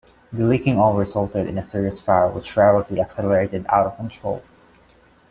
The leaking oil resulted in a serious fire which rapidly accelerated out of control.